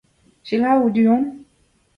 Selaou du-hont…